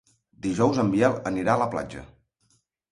Dijous en Biel anirà a la platja.